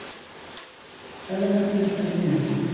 "Era o que correspondía".